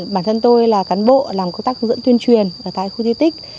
bản thân tôi là cán bộ làm công tác hướng dẫn tuyên truyền tại khu di tích